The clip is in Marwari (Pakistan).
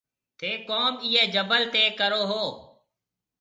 ٿَي ڪوم اِيئي جبل تي ڪرون هون۔